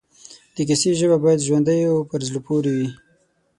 د کیسې ژبه باید ژوندۍ او پر زړه پورې وي